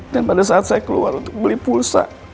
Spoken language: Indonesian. dan pada saat saya keluar untuk beli pulsa